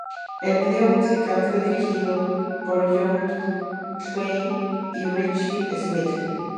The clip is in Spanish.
El video musical fue dirigido por Jon Klein y Ritchie Smyth.